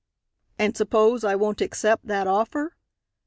"And suppose I won't accept that offer?"